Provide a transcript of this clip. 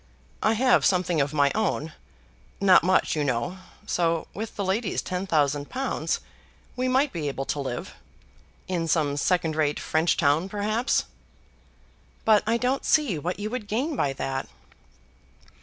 I have something of my own, not much you know; so with the lady's ten thousand pounds we might be able to live, in some second rate French town perhaps." "But I don't see what you would gain by that."